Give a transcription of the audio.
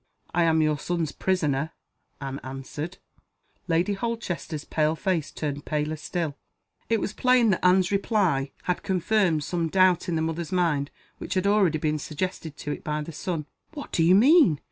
"I am your son's prisoner," Anne answered. Lady Holchester's pale face turned paler still. It was plain that Anne's reply had confirmed some doubt in the mother s mind which had been already suggested to it by the son. "What do you mean?"